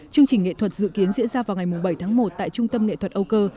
chương trình nghệ thuật dự kiến diễn ra vào ngày bảy tháng một tại trung tâm nghệ thuật âu cơ